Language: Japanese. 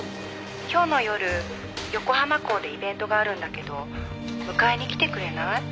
「今日の夜横浜港でイベントがあるんだけど迎えに来てくれない？